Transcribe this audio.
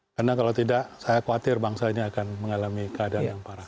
karena kalau tidak saya khawatir bangsa ini akan mengalami keadaan yang parah